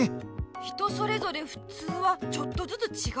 人それぞれ「ふつう」はちょっとずつちがう。